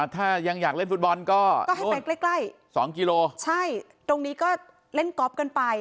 ถ้ายังอยากเล่นฟุตบอลก็ใช่ตรงนี้ก็เล่นกอล์ฟกันไป